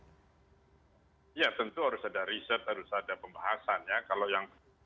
bagaimana kemudian bisa ada kata sepakat di sana sehingga kebijakan ini diterapkan dengan tepat